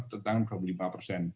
tentang dua puluh lima persen